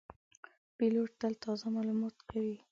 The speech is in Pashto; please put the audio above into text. پیلوټ تل تازه معلومات مطالعه کوي.